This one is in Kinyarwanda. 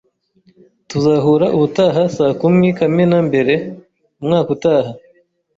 Tuzahura ubutaha saa kumi, Kamena mbere, umwaka utaha